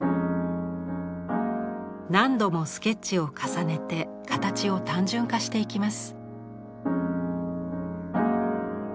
何度もスケッチを重ねて形を単純化していきます。